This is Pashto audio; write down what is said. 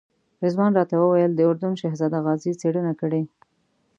رضوان راته وویل د اردن شهزاده غازي څېړنه کړې.